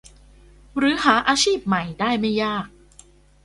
หรือหาอาชีพใหม่ได้ไม่ยาก